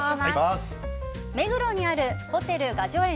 目黒にあるホテル雅叙園